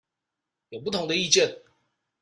有不同的意見